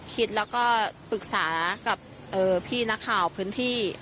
คิดแล้วก็ปรึกษากับพี่นักข่าวพื้นที่